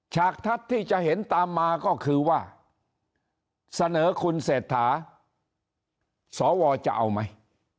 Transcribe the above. ฉกทัศน์ที่จะเห็นตามมาก็คือว่าเสนอคุณเศรษฐาสวจะเอาไหม